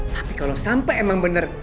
tapi kalo sampe emang bener